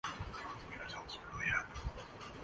اس تاریخ میں زیادہ کیا جایا جائے۔